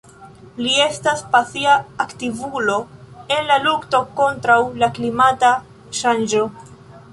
Li estas pasia aktivulo en la lukto kontraŭ la klimata ŝanĝo.